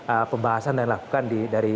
ee pembahasan dan dilakukan di